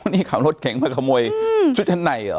นี่ขับรถเก่งมาขโมยชุดชั้นในเหรอ